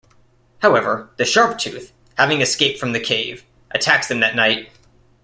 However, the Sharptooth, having escaped from the cave, attacks them that night.